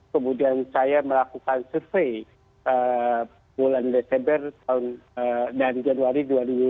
kemudian saya melakukan survei bulan desember dan januari dua ribu dua puluh